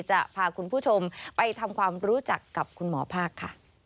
จะพาคุณผู้ชมไปทำความรู้จักกับคุณหมอภาคค่ะ